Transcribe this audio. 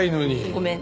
ごめんね。